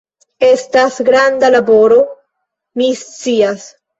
Estas granda laboro, mi scias.